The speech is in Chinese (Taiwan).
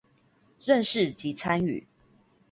認識及參與